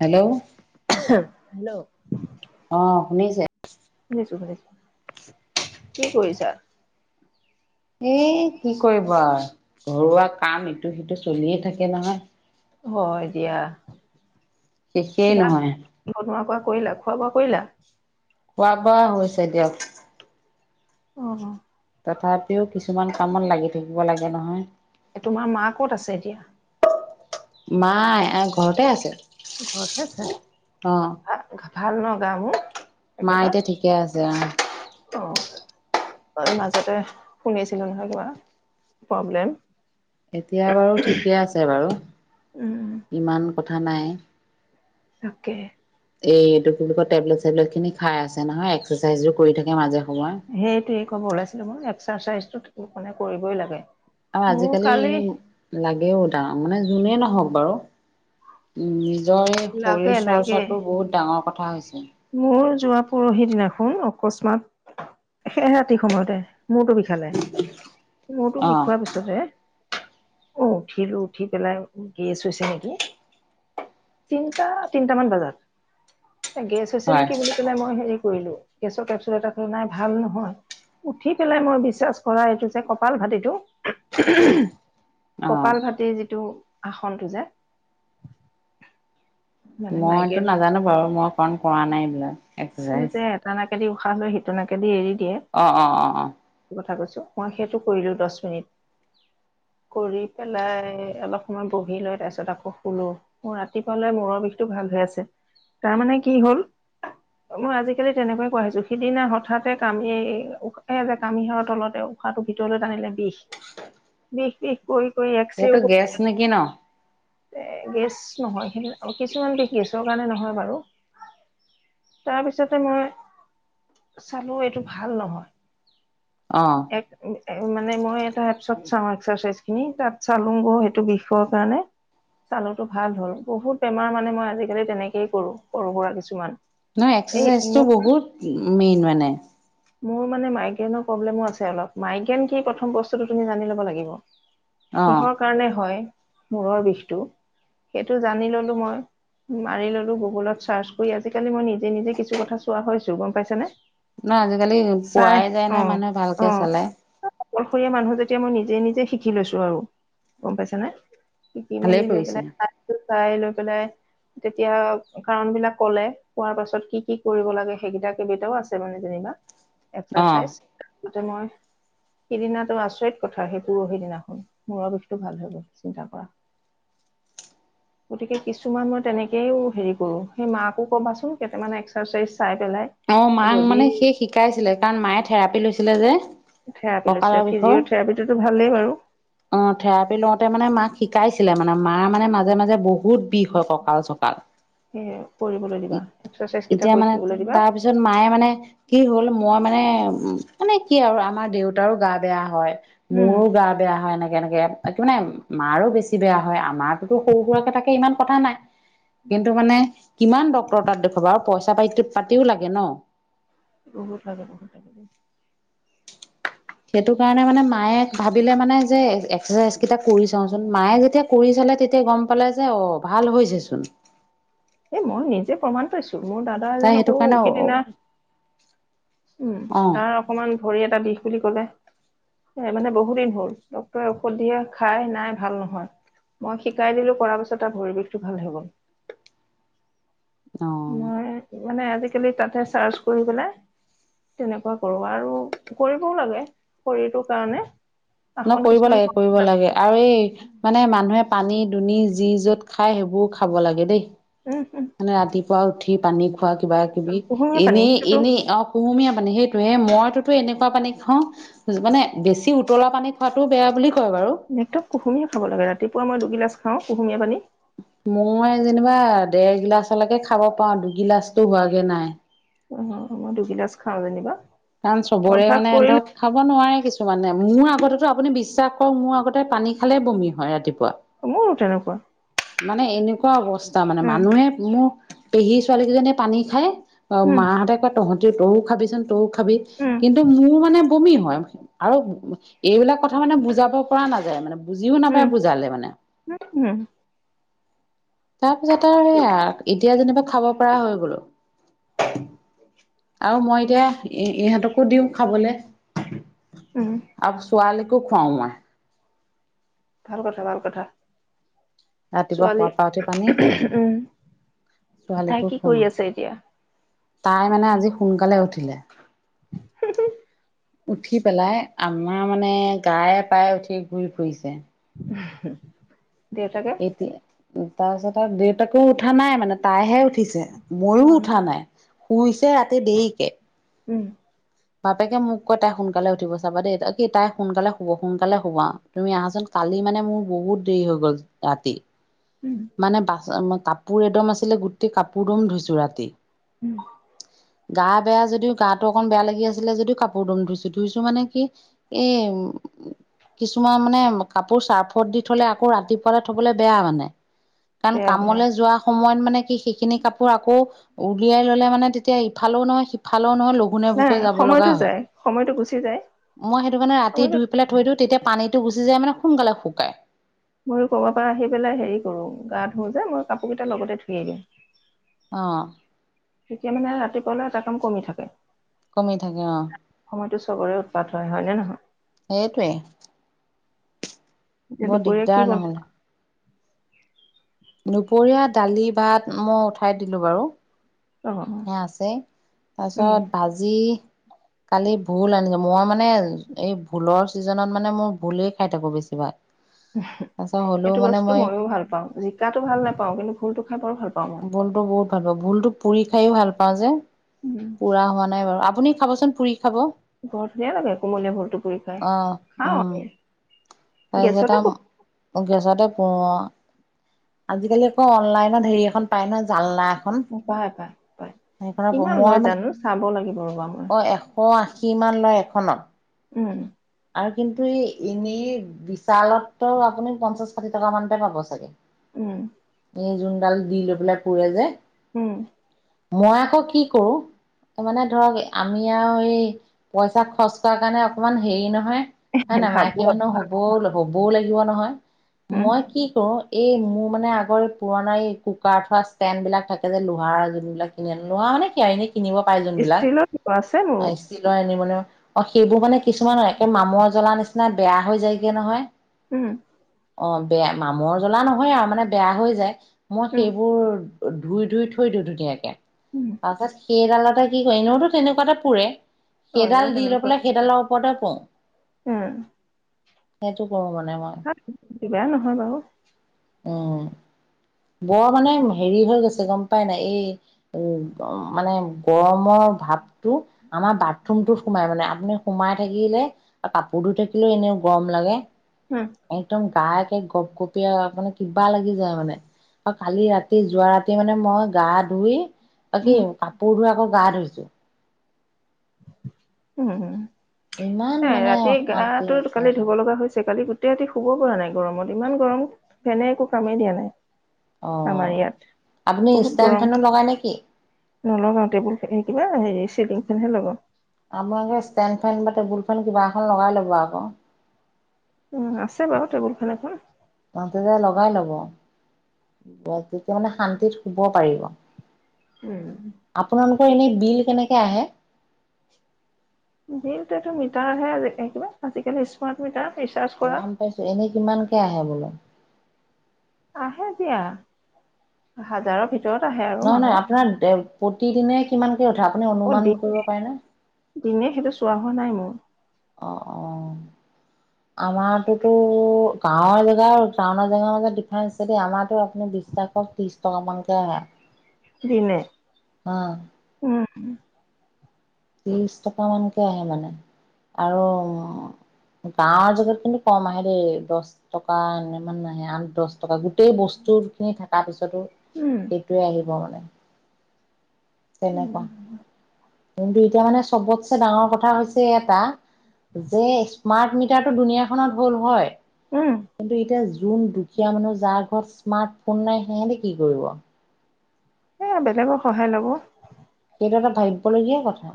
Hello. Hello. অ' শুনিছে? শুনিছো শুনিছো। কি কৰিছা? এ, কি কৰিব আৰু ঘৰুৱা কাম ইটো সিটো চলিয়ে থাকে নহয়। হয় দিয়া। শেষেই নহয়। খোৱা লোৱা কৰিলা, খোৱা বোৱা কৰিলা? খোৱা বোৱা হৈছে দিয়ক। অ'। তথাপিও কিছুমান কামত লাগি থাকিব লাগে নহয়। তোমাৰ মা ক'ত আছে এতিয়া? মাই ঘৰতে আছে। ঘৰত আছে? অ ভাল ন' গাবোৰ? মা এতিয়া ঠিকে আছে অ'। অ'। মই মাজতে শুনি আছিলোঁ নহয় কিবা প্ৰব্লেম। এতিয়া বাৰু ঠিকে আছে, বাৰু উম ইমান কথা নাই। তাকে। এই এইটো কি বুলি কয়, টেবলেট চেবলেটখিনি খাই আছে নহয়। এক্সাৰচাইজো কৰি থাকে মাজে সময়। সেইটোৱে ক'ব ওলাইছিলোঁ মই, এক্সাৰচাইজতো মানে কৰিবই লাগে। আৰু মোৰ আজিকালি কালি লাগেও ডাঙ মানে যোনেই নহওক বাৰু। উ' নিজৰ লাগে শৰীৰ লাগে চৰ্চাতটো বহুত ডাঙৰ কথা হৈছে। মোৰ যোৱা পৰহি দিনাখন অকস্মাত শে ৰাতি সময়তে মোৰতো বিশ খালে, মোৰতো অ', বিষোৱাৰ পিছত তাৰিছ অ' উঠিলো উঠি পেলাই, গেছ হৈছে নেকি। তিনটাতিনটা মান বজাত এ, গেছ হৈছে হয় নেকি বুলি কলে, মই হেৰি কৰিলোঁ, গেছৰ কেপচুল এটা খ নাই ভাল নহয়। উঠি পেলাই মই বিশ্বাস কৰা এইটো যে কপাল ভতিটো অ'। কপাল ভটিৰ যিটো আসনটো যে মানে মইতো মাইগ্ৰেইনৰ নাজানো বাৰু, মই ফোন কৰা নাই দিয়া। যে, এটা নাকেদি উশাহ লৈ সিটো নাকেদি এৰি দিয়ে। অ', অ', অ', অ'। কথা কৈছোঁ, মই সেইটো কৰিলো দহ মিনিট। কৰি পেলাই, অলপ সময় বহি লয় তাৰপিছত আকৌ শুলো। মই ৰাতিপুৱালে মূৰৰ বিষটো ভাল হৈ আছে। তাৰমানানে কি হ'ল মই আজিকালি তেনেকৈ কোৱা আহিছোঁ। সিদিনা হঠাতে কামি উখ যে কামিহাৰৰ তলতেও উশাটো ভিতৰলৈ টানিলে বিষ। বিষ বিষ। কৰি কৰি এইটো গেছ নেকি ন'? এ, গেছ নহয়। সেই কিছুমান বেছ গেছৰ কাৰণে নহয় বাৰু। তাৰপিছতে মই চালো এইটো ভাল নহয়। অ', এক মানে মই এটা এপছত চাওঁ এক্সাৰচাইজখিনি, তাত চালো গৈ সেইটো বিষয়ৰ কাৰণে চালো ভাল হ'ল, বহুত বেমাৰ মানে মই আজিকালি তেনেকেই কৰো। সৰু সুৰা কিছুমান নহ, এই এক্সাৰচাইজতটো মোৰ বহুত মেইন মানে মোৰ মানে, মাইগ্ৰেনৰ প্ৰব্লেমো আছে। অলপ মাইগ্ৰন কি প্ৰথম বস্তুটো তুমি জানি লব লাগিব। অ'। কিহৰ কাৰণে হয় মূৰৰ বিষটো সেইটো জানি ললো মই মাৰি ললো, গুগুলত চাৰ্চ কৰি আজিকালি মই নিজে নিজে কিছু কথা চোৱা হৈছো গম পাইছ নে। নহ, আজিকালি পোৱাই যায় নহ মানুহে অ ভালকে চলে। অকলশৰীয়া মানুহ যেতিয়া, মই নিজে নিজে শিকি লৈছো আৰু গম পাইছা নে? শিকি ভালেই মেলি লৈ, কৰিছে পেলাই চাই চাই লৈ পেলাই। তেতিয়া কাৰন, বিলাক ক'লে কোৱাৰ পাছত কি কি কৰিব লাগে। সেইকেইটা কেইবেইটাও আছে মানে যেনিবা। অ'। এক্সাৰচাইজ তপিছতে মই সেইদিনাটো, আচৰিত কথা সেই পৰহি দিনাখন মূৰৰ বিষতটো ভাল হৈ গল চিন্তা কৰা। গতিকে কিছুমান মই তেনেকেইও হেৰি কৰো। সেই মাকো ক'বাচোন কেইটামান এক্সাৰচাইজ চাই পেলাই। অ', াক যদি মানে সেই শিকাইছিলে, কাৰণ মায়ে থেৰাপি লৈছিলে যে থেৰাপি লৈছিলে, কঁকালৰ বিষৰ। ফিজিঅথেৰাপিটোতো ভালেই বাৰু অ', থেৰাপি লওঁতে মানে, মাক শিকাইছিলে মানে, মাৰ মানে মাজে মাজে বহুত বিষ হয় ককাল চকাল, সেই কৰিবলৈ দিবা এক্সাৰচাইজ কেইটা এতিয়া কৰি মানে থাকিবলৈ দিবা তাৰপিছত যোন মায়ে, মানে কি হ'ল মই মানে, উ মানে কি আৰু আমাৰ দেউতাৰো গা বেয়া হয় উম মোৰো গা বেয়া হয়, এনেকে এনেকে কি মানে মাৰো বেছি বেয়া হয় আমাৰ তো সৰু সুৰাকে থাকে ইমান কথা নাই কিন্তু, মানে, কিমান ডক্তৰ তাত দেখুৱাবা আৰু পইচা পাতি পাতিও লাগে ন বহুত থাকে বহুতাকে সেইটো কাৰণে মানে, মায়ে ভাবিলে মানে যে এক্সাৰচাইজ কেইটা কৰি চাওঁচোন, মায়ে যেতিয়া কৰি চালে তেতিয়া গম পালে যে অ ভাল হৈছে চোন এ, মই নিজে প্ৰমাণ পাইছো, মোৰ দাদা তাই এজন সেইটো আকৌ কাৰণে অ', সিদিনা উম, অ', তাৰ অকমান ভৰি এটা বিষ বুলি কলে মানে, বহুত দিন হ'ল ডক্ক্তৰে ঔষধ দিয়ে খাই নাই ভাল নহয় মই, শিকাই দিলো কৰাৰ পাছত তাৰ পৰিৰিৱেশটো ভাল হৈ গ'ল অ', মই মানে, আজিকালি তাতে চাৰ্চ কৰি পেলাই তেনেকুৱা কৰো, আৰু কৰিবও লাগে শৰীৰটোৰ কাৰণে নকৰিব লাগে, কৰিব লাগে, আৰু এই মানে মানুহে পানী দুনি যি য'ত খাই, সেইবোৰ খাব লাগে দেই উম, মানে, ৰাতিপুৱা উঠি পানী খোৱা কিবা কিবি কুহুমীয়া পানী এনেই সেইটোতো এনেই অ', কুহুমীয়া পানী, সেইটোয়ে মইতোতো এনেকুৱা পানী খাওঁ, মানে বেছি উতলা পানী খোৱা, বেয়া বুলি কয় বাৰু কুহুমীয়া খাব লাগে ৰাতিপুৱা মই দুগিলা খওঁ কুহুমীয়া পানী মই যেনিবা, দেৰগিলাচলৈকে খাব পাওঁ দুগিলাচতটো হোৱাগে নাই অ', মই দুগিলাচ খাও যেনিবা কাৰণ, চবৰে অভ্যাস মানে স কৰিলে ধৰক খাব নোৱাৰে, কিছুমানে মোৰ আগতেো আপুনি বিশ্বাস কৰক মোৰ আগতে পানী খালে বমি হয় ৰাতিপুৱা মোৰো তেনেকুৱা মানে, এনেকুৱা অৱস্থা মানে, উম মানুহে মোৰ পেহী ছোৱালী কেইজনীয়ে পানী খায় অ', উম মাহঁতে কয়, তহঁতিও তইও খাবিচোন, তইও খাবি, উম কিন্তু মোৰ মানে বমি হয়, আৰু এইবিলাক কথা মানে বুজাব পৰা নাযায় মানে বুজিও নাপায় উম বুজালে মানে। [unintelligible] তাৰপিছত আৰু সেয়া আৰু এতিয়া যেনিবা খাব পৰা হৈ গ'লো। আৰু মই এতিয়া ইহঁতকো দিওঁ খাবলে। উম, আ ছোৱাল কো খুৱও মই। ভাল কথা ভাল কথা। ৰাতিপুৱা শুৱা পৰা উঠি পানী ছোৱালীৰ উম তাই ছোৱালীকো কি খুৱাও কৰি আছে এতিয়া? তাই মানে আজি সোনকালে উঠিলে, [inaudible] উঠি পেলাই আমাৰ মানে গায়ে প্ৰায়ে উঠি ঘূৰি ফুৰিছে। দেউত এতিয়া তাৰপিছত আৰু দেউতাকো উঠা নাই মানে, তাইহে উঠিছে ময়ো অ নহয় উঠা নাই শুইছে ৰাতি দেৰিকে, উম, বাপেকে মোক কৈ তাই সোনকালে উঠিব চাবা দেই কি তাই সোনকালে শুব সোনকালে শুবা, তুমি আহাচোন কালি মানে মোৰ বহুত দেৰি হৈ গ'ল ৰাতি, উম, মানে বা কাপোৰ এদম আছিলে গোটেই কাপোৰ দম ধুইছোঁ ৰাতি। উম, গা বেয়া যদিও গাটো অকন বেয়া লাগি আছিলে যদিও কাপোৰ দম ধুইছোঁ ধুইছোঁ মানে কি এই কিছুমান মানে কাপোৰ চাৰ্ফত দি থলে আকৌ ৰাতিপুৱালে থবলৈ বেয়া মানে। কাৰণ বেয়া বেয়া কামলৈ যোৱা সময়ত মানে কি সেইখিনি কাপোৰ আকৌ উলিয়াই ললে মানে তেতিয়া ইফালেও নহয় সিফালেও নহয় পোনে নাই বুকে যাব লগা সময়টো হয়। যায় সময়টো গুচি যায় মই সেইটো কাৰণে ৰাতি সময়টো দুই পেলাই থৈ দিওঁ তেতিয়া পানী গুচি যায় মানে সোনকালে শুকাই। মই ক'ৰবাৰ পৰা আহি পেলাই হেৰি কৰো গা ধো যে মই কাপোৰ কেইটা লগতে ধুই দিম। অ, তেতিয়া মানে ৰাতিপুৱালে এটা কাম কমি থাকে। কমি থাকে অ, সময়তো চবৰে উৎপাত হয় নে নহয়? সেইটোৱে। এতিয়া বৰ দুপৰীয়া কি দিগদাৰ বনাই নহ'লে। দুপৰীয়া দালি ভাত মই উঠাই দিলোঁ বাৰু। অ সেয়া আছে উম তাৰপিছত বাজি কালি ভুল আনিছোঁ মই মানে এই ভুলৰ ছিজনত মানে মোৰ ভোুলই খাই থাকো বেছিভাগ। তাৰপিছত হ'লেও সেইটো মানে বস্তু মই ময়ো ভাল পাওঁ জিকাতটো ভাল নাপাওঁ কিন্তু ভুলটো খাই বৰ ভাল পাওঁ। মই ভোলতো বহুত ভাল পাওঁ ভোুলতো পুৰি খাইও ভাল পাওঁ যে উম পুৰা হোৱা নাই বাৰু আপুনি খাবচোন, পুৰি খাব। ঘৰত ধুনিয়ে লাগে কোমলীয়া ভৰটো পুৰি খাই খাও উম। আমি। গেছতে পুৰো। [inaudible] গেছতে পো আজিকালি আকৌ অনলাইনত হেৰি এখন পাই ন জালনা এখন। পাই পাই প সেইখনত কিমান মই লয় মানে জানো চাব লাগিব ৰ'বা মই। অ' এশ আশী মান লয় এখনত। উম, আৰু কিন্তু এই এনে বিশালতো আপুনি পঞ্চাশ ষাঠি টকা মানতে পাব চাগে। উম, এই যোনডাল দি লৈ পেলাই পুৰে যে। উম। মই আকৌ কি কৰো মানে ধৰক আমি আৰু এই পইচা খৰচ কৰাৰ কাৰণে অকমান হেৰি নহয় হয়ে নাই ভাবো মাইকী আৰু। মানুহ হ'বও হ'বও লাগিব নহয়। উম মই কি কৰো এই মোৰ মানে আগৰ পুৰণা এই কুকাৰ থোৱা ষ্টেণ্ড বিলাক থাকে যে লোহাৰ যোনবিলাক লোৱা মানে কি আও এনে কিনিব পাৰে যোনবিলাক ষ্টীলৰ আছে মোৰো ষ্টিলৰ এলুমিনিয়ামৰ অ', সেইবোৰ মানে কিছুমান একে মামৰ জ্বলা নিচিনা বেয়া হৈ যায়গে নহয়। উম। অ', বেয়া মামৰ জ্বলা নহয় আৰু মানে বেয়া হৈ যায় মই উম সেইবোৰ ধুই ধুই থৈ দিওঁ ধুনীয়াকে, উম তাৰপাছত সেইডালটে কি কৰো এনেওতো তেনেকুৱাটে পুৰে অ এনেও সেইডাল দি লৈ তেনেকুৱা পেলাই সেইডালৰ ওপৰতে পুৰো। উম। সেইটো কৰো মানে মই। বেয়া [unintelligible] নহয় বাৰু উম বৰ মানে হেৰি হৈ গৈছে গম পাই নাই এই উ, মানে গৰমৰ ভাৱটো আমাৰ বাথৰুমটোত সোমাই মানে আপুনি সোমাই থাকিলে কাপোৰ ধুই থাকিলেও এনেও গৰম লাগে। হুম। একদম গা একে গপ গপিয়া মানে কিবা লাগি যায় মানে আৰু কালি ৰাতি তি যোৱা ৰাতি মানে মই গা ধুই অ', কি কাপোৰ ধুই আকৌ গা ধুইছো। উম, ইমান এ, মানে ৰাতি অশান্তি গাটো কালি হৈছে ধুব লগা হৈছে কালি গোট তে ৰাতি শুব পৰা নাই গৰমত, ইমান গৰম ফেনে একো কামেই দিয়া নাই। আমাৰ অ', ইয়াত আপুনি ষ্টেণ্ড ফেনো লগায় নে কি? নলগাওঁ টেবুল ফে কি কয় হে চিলিং ফেনহে লগাওঁ। আপোনালোকে ষ্টেণ্ড ফেন বা টেবুল ফেন কিবা এখন লগাই ল'ব আকৌ। উম, আছে বাৰু টেবুল ফেন এখন। তহতেযে [unintelligible] লগাই ল'ব তেতিয়া মানে শান্তিত শুব পাৰিব। উম। আপোনালোকৰ এনেই বিল কেনেকে আহে? বিলটো এইটো মিটাৰহে কিবা আজিকালি স্মাৰ্ট মিটাৰ ৰিচাৰ্জ কৰা। গম পাইছো, এনেই কিমানকে আহে বোলো? আহে দিয়া হাজাৰৰ ভিতৰত। ৰতৰত আহে আৰু নহয় নহয় মাহত আপোনাৰ দে প্ৰতিদিনে কিমানকে উঠে আপুনি অ অনুমান দিন কৰিব পাৰেনে? দিনে সেইটো চোৱা হোৱা নাই মোৰ। অ', অ'। [inaudible] আমাৰতোটো গাঁৱৰ জেগা আৰু টাউনৰ জেগাৰ মাজত ডিফাৰেন্ঞ্চ আছে দেই আমাৰ ধৰ আপুনি [unintelligible] ত্ৰিশ টকা মানকে আহে দিনে? অঁ উম, উম। ত্ৰিশ টকা মানকে আহে মানে, আৰু গাঁৱৰ জেগাত কিন্তু কম আহে দেই দহ টকা এনে মান আহে আঠ দহ টকা গোট গোটেই বস্তু খিনি থকাৰ পিছতো উম, সেইটোৱে আহিব মানে। তেনেকুৱা, উম, কিন্তু এতিয়া মানে চবতছে ডাঙৰ কথা হৈছে এটা যে স্মাৰ্ট মিটাৰটো দুুনীয়াখনত হ'ল হয়, উম, কিন্তু এতিয়া যোন দু দুখীয়া মানুহ যাৰ ঘৰত স্মাৰ্টফোন নাই সিহঁতে কি কৰিব? সেয়া, বেলেগৰ সহায় ল'ব। সেইটো এটা ভাবিবলগীয়া কথা।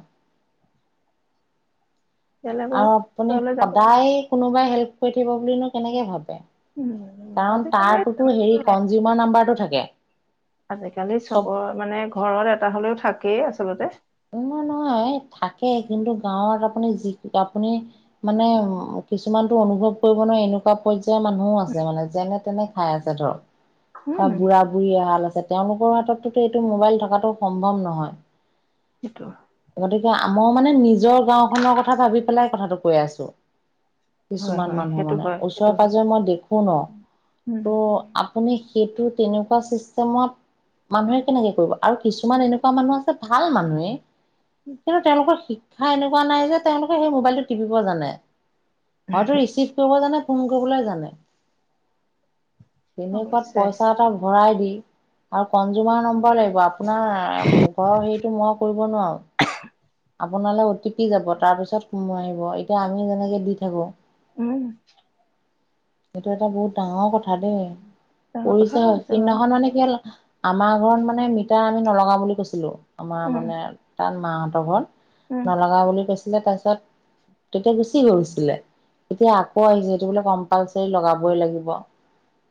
বেলেগৰ আৰু আপুনি ওচৰলৈ যাব। সদায় কোনোবাই হেল্প কৰি থাকিব বুলিনো কেনেকে ভাবে? উম। কাৰণ আজিকালি তাৰতোটো হেৰি কনজিউমাৰ নাম্বাৰটো থাকে আজিকালি চব চবৰ মানে ঘৰত এটা হ'লেও থাকেই আচলতে। এনে নহয় থাকেই কিন্তু গাঁৱত আপুনি যি আপুনি মানে উ কিছুমানতো অনুভৱ কৰিব নোৱাৰি এনেকুৱা পৰ্যায়ৰ মানুহো আছে মানে যেনে তেনে খাই আছে ধৰক। বা উম, বুঢ়া বুঢ়ী এহাল আছে তেওঁলোকৰ হাতততোটো এইটো মোবাইল থকাটো সম্ভৱ নহয়। সেইটো গতিকে আমই মানে নিজৰ গাওখনৰ কথা ভাবি পেলাই কথাটো কৈ আছো। হয়, কিছুমান হয়, মানুহ সেইটো মানে হয়, ওচৰে সেইটো হয়, পাজৰে মই দেখো ন' উম, ত' আপুনি সেইটো তেনেকুৱা চিষ্টেমত মানুহে কেনেকে কৰিব আৰু কিছুমান এনেকুৱা মানুহ আছে ভাল মানুহে কিন্তু তেওঁলোকৰ শিক্ষা এনেকুৱা নাই যে তেওঁলোকে সেই মোবাইলটো টিপিব জানে। হয়টো ৰিচিভ কৰিব জানে, ফোন কৰিবলৈ জানে। তেনেকোৱাত অৱশ্যে। পইচা এটা ভৰাই দি আৰু কনজুমাৰ নম্বৰ লাগিব আপ আপোনাৰ ঘৰৰ হেৰিটো মই কৰিব নোৱাৰো। আপোনালৈ অ'টি পি যাব তাৰ পিছতো আহিব এতিয়া আমি যেনেকে দি থাকো উম। এইটো এটা বহুত ডাঙৰ কথা দেই ডাঙৰ কথাও পৰিচয় হৈছে বাৰু সেইদিনাখন মানে কি আমাৰ ঘৰত মানে মিটাৰ আমি নলগাও বুলি কৈছিলো। উম, মানে তাত মাহঁতৰ উম, ঘৰত নলগা বুলি কৈছিলে তাৰপিছত তেতিয়া বেছি হৈ গৈছিলে। এতিয়া আকৌ আহিছে এইটো বোলে কম্পালচাৰী লগাবই লাগিব।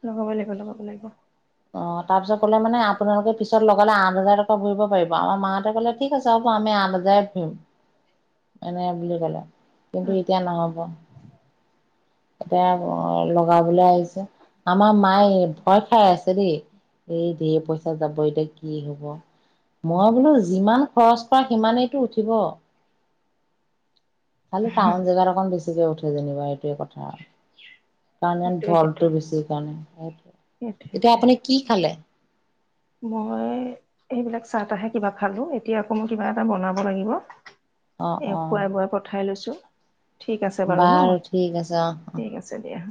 লগাব লাগিব লগাব লাগিব। অ', তাৰপিছত ক'লে মানে আপোনালোকে পিছত লগালে আঠ হাজাৰ টকা ঘুৰিব পাৰিব আমাৰ মা ত' কলে ঠিক আছে হ'ব আমি আঠ [unintelligible] এনেকে বুলি ক'লে। উম, কিন্তু এতিয়া নহব। এতিয়া লগাবলৈ আহিছে। আমাৰ মায়ে ভয় খাই আছে দেই এই ঢেৰ পইচা যাব এতিয়া কি হব মই বোলো যিমান খৰচ কৰা সিমানেইটো উঠিব। খালি টাউন জেগাত অকণ বেছিকে উঠে যেনিবা এইটোৱে কথা আৰু। কানে সেইটোৱে সেইটোৱে ভলটো বেছি কাৰনে। [unintelligible] মই এইবিলাক চাহ আহে কিবা খালো এতিয়া আকৌ মই কিবা এটা বনাব লাগিব। অ', এ অ', খোৱাই বোৱাই পঠাই লৈছো। ঠিক আছে বাৰু ন' ঠিক আছে অ', অ'। ঠিক আছে দিয়া।